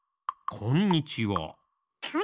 こんにちは。